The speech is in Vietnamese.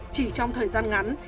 chỉ trong thời gian ngắn